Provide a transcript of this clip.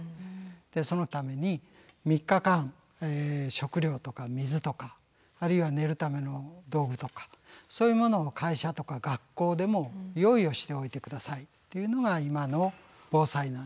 でそのために３日間食料とか水とかあるいは寝るための道具とかそういうものを会社とか学校でも用意をしておいて下さいっていうのが今の防災なんですね。